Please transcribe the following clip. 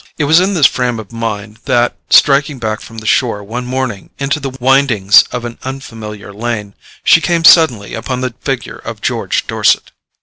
It was in this frame of mind that, striking back from the shore one morning into the windings of an unfamiliar lane, she came suddenly upon the figure of George Dorset.